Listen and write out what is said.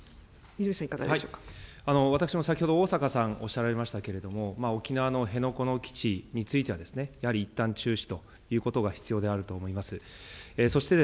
私も先ほど、逢坂さん、おっしゃられましたけれども、沖縄の辺野古の基地については、やはりいったん中止ということが必要であると思います。